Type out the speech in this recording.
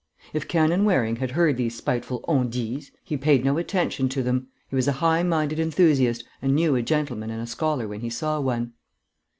If Canon Waring had heard these spiteful on dits, he paid no attention to them; he was a high minded enthusiast, and knew a gentleman and a scholar when he saw one.